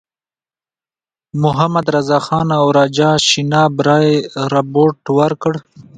محمدرضاخان او راجا شیتاب رای رپوټ ورکړ.